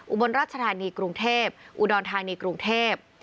อุบลราชธานีกรุงเทพอุดรธานีกรุงเทพ